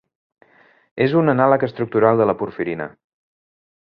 És un anàleg estructural de la porfirina.